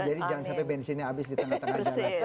jadi jangan sampai bensinnya habis di tengah tengah jalan